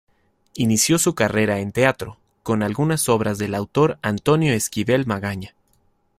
Inició su carrera en teatro, con algunas obras del autor Antonio Esquivel Magaña.